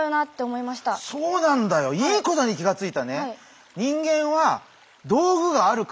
いい事に気がついたね。